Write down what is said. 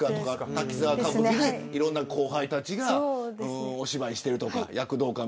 滝沢歌舞伎でいろんな後輩たちがお芝居をしているとか躍動感